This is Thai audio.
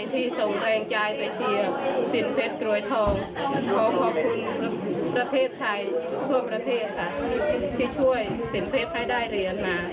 ที่ช่วยสินเพชรให้ได้เรียนมาขอบคุณอย่างนี้